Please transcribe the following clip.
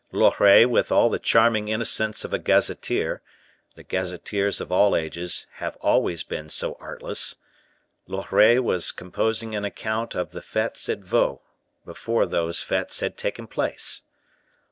Loret, with all the charming innocence of a gazetteer, the gazetteers of all ages have always been so artless! Loret was composing an account of the fetes at Vaux, before those fetes had taken place.